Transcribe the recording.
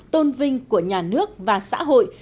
tôn vinh của nhà nước và xã hội